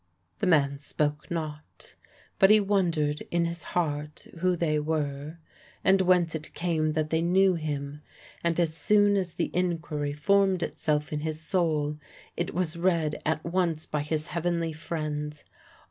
The man spoke not, but he wondered in his heart who they were, and whence it came that they knew him; and as soon as the inquiry formed itself in his soul, it was read at once by his heavenly friends.